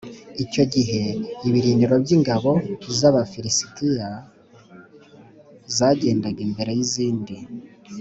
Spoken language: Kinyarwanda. icyo gihe ibirindiro by ingabo z Aba lisitiya zagendaga imbere y izindi